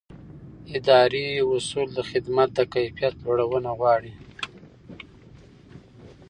اداري اصول د خدمت د کیفیت لوړونه غواړي.